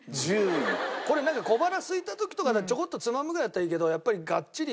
これなんか小腹すいた時とかちょこっとつまむぐらいだったらいいけどガッチリ